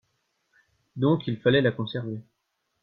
Donc il fallait la conserver.